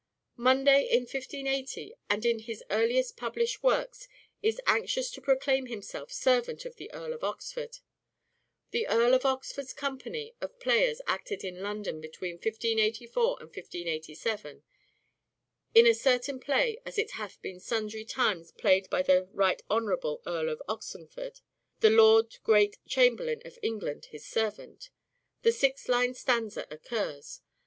..." Munday in 1580 and in his earliest published works Munday and is anxious to proclaim himself ' servant of the Earl Oxford, of Oxford' ... The Earl of Oxford's company of players acted in London between 1584 and 1587. ... (In a certain play) ' as it hath been sundry times played by the right honourable Earle of Oxenford, the Lord Great Chamberlaine of England, his servant,' the six lined stanza occurs.